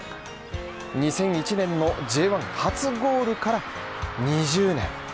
２００１年のＪ１初ゴールから２０年。